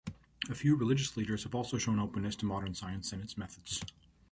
A few religious leaders have also shown openness to modern science and its methods.